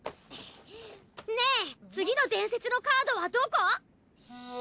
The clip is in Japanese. ねえ次の伝説のカードはどこ？